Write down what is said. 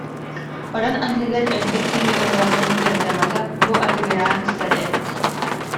Орон анныгар өлбүт киһи уҥуоҕун дьардьамата бу атыгыраан сытар эбит